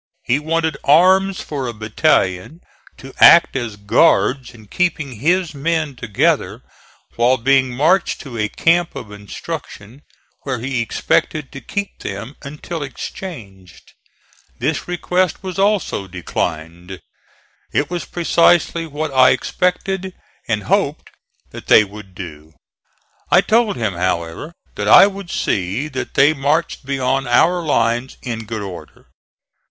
He wanted arms for a battalion, to act as guards in keeping his men together while being marched to a camp of instruction, where he expected to keep them until exchanged. This request was also declined. It was precisely what I expected and hoped that they would do. I told him, however, that I would see that they marched beyond our lines in good order.